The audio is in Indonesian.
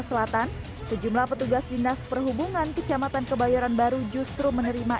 selatan sejumlah petugas dinas perhubungan kecamatan kebayoran baru justru menerima